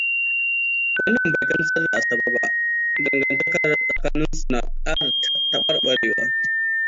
Wannan bai gamsar da Asabe ba, dangantakar tsakanin su na kara taɓarɓarewa.